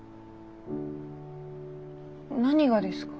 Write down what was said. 何がですか？